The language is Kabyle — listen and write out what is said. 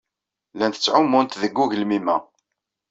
Llant ttɛumunt deg ugelmim-a.